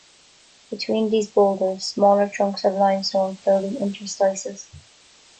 Between these boulders, smaller chunks of limestone fill the interstices.